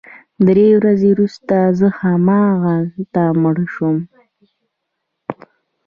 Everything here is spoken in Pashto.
درې ورځې وروسته زه همالته مړ شوم